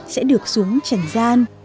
sẽ được xuống trần gian